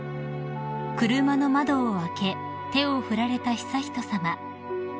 ［車の窓を開け手を振られた悠仁さま］